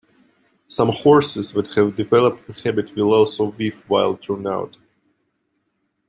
Some horses that have developed the habit will also weave while turned out.